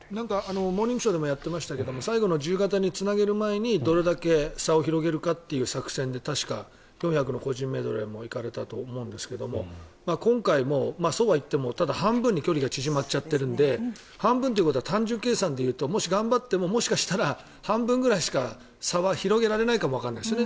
「モーニングショー」でもやってましたけど最後の自由形につなげる前にどれだけ差を広げるかという作戦で４００ｍの個人メドレーも行かれたと思うんですけども今回も、そうはいってもただ、半分に距離が縮まっちゃっているので半分ということは単純計算で言うともし頑張ってももしかしたら半分ぐらいしか差は広げられないかもわからないですよね。